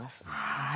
はい。